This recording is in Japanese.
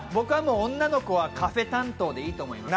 女の子はカフェ担当でいいと思います。